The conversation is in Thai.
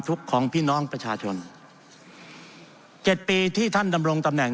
ของพี่น้องประชาชนเจ็ดปีที่ท่านดำรงตำแหน่ง